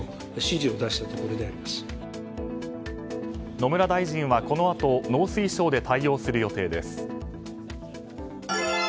野村大臣はこのあと農水省で対応する予定です。